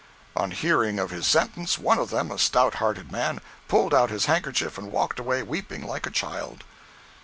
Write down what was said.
On hearing of his sentence, one of them, a stout hearted man, pulled out his handkerchief and walked away, weeping like a child.